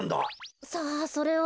さあそれは。